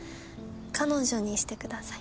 彼女にしてください。